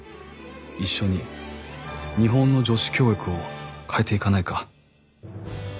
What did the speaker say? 「一緒に日本の女子教育を変えていかないか？」